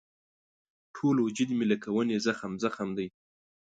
ټول وجود مې لکه ونې زخم زخم دی.